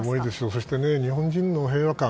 そして、日本人の平和観